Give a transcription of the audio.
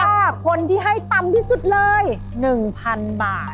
ถ้าคนที่ให้ต่ำที่สุดเลย๑๐๐๐บาท